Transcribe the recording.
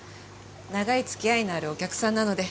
長い付き合いのあるお客さんなので。